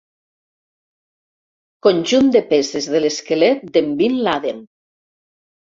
Conjunt de peces de l'esquelet d'en Bin Laden.